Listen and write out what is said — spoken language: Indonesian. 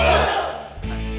nah agak sini